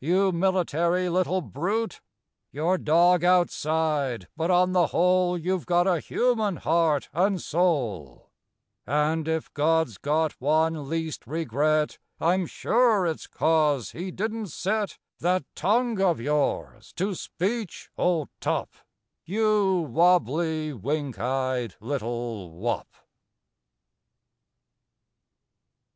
You military little brute, You're dog outside but on the whole You've got a human heart and soul And if God's got one least regret I'm sure it's cause he didn't set That tongue of yours to speech, old top— You wobbly, wink eyed little wop!